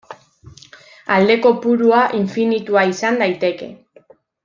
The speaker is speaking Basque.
Alde kopurua infinitua izan daiteke.